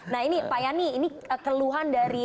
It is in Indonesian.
nah ini pak yani ini keluhan dari